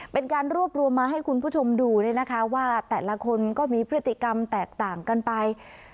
เป็นการรวบรวมมาให้คุณผู้ชมดูเนี่ยนะคะว่าแต่ละคนก็มีพฤติกรรมแตกต่างกันไป